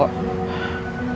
papa akan hadirin kamu